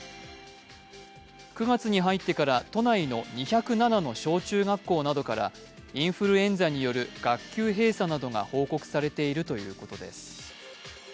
９月に入ってから、都内の２０７の小中学校などからインフルエンザによる学級閉鎖などが報告されているということです。